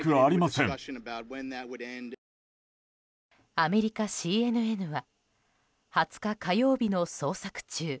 アメリカＣＮＮは２０日火曜日の捜索中